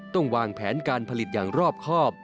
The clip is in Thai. ต้องวางแผนการผลิตอย่างรอบครอบ